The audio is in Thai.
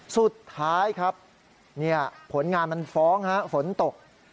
สุดท้ายครับผลงานมันฟ้องฮะฝนตก